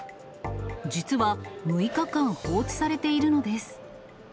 実は６日間、放置されているのです。